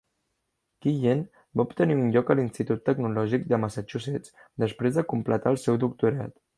Quillen va obtenir un lloc a l'Institut Tecnològic de Massachusetts després de completar el seu doctorat.